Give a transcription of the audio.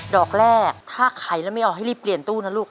ดอกแรกถ้าขายแล้วไม่ออกให้รีบเปลี่ยนตู้นะลูก